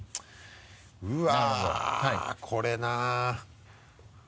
うわっこれな。